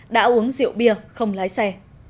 đã uống rượu bia không lái xe